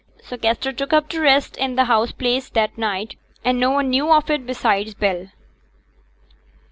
So Kester took up his rest in the house place that night, and none knew of it besides Bell.